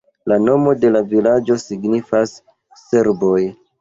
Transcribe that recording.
La nomo de la vilaĝo signifas "serboj".